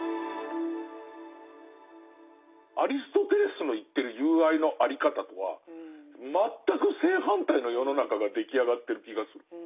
アリストテレスの言ってる友愛のあり方とは全く正反対の世の中が出来上がってる気がする。